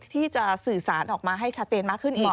ที่จะสื่อสารออกมาให้ชัดเจนมากขึ้นอีก